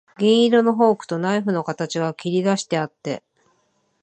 銀色のフォークとナイフの形が切りだしてあって、